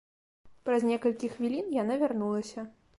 Праз некалькі хвілін яна вярнулася.